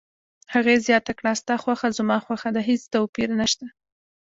هغې زیاته کړه: ستا خوښه زما خوښه ده، هیڅ توپیر نشته.